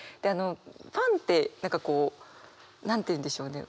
ファンって何かこう何て言うんでしょうね？